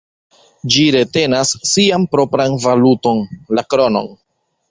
Ĝi retenas sian propran valuton, la kronon.